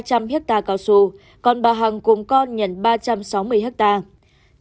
ông t nhận ba trăm linh hectare cao su còn bà hằng cùng con nhận ba trăm sáu mươi hectare